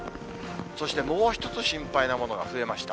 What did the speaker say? そしてもう一つ心配なものが増えました。